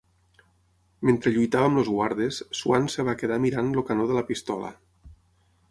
Mentre lluitava amb els guardes, Swan es va quedar mirant el canó de la pistola.